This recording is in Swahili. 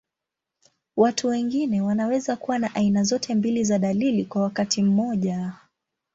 Watu wengine wanaweza kuwa na aina zote mbili za dalili kwa wakati mmoja.